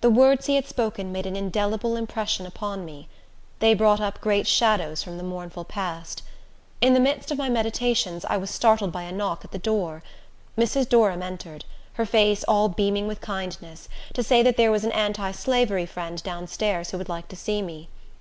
The words he had spoken made an indelible impression upon me. They brought up great shadows from the mournful past. In the midst of my meditations I was startled by a knock at the door. Mrs. Durham entered, her face all beaming with kindness, to say that there was an anti slavery friend down stairs, who would like to see me.